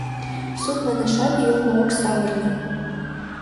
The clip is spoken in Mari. Суд манашат йылме ок савырне.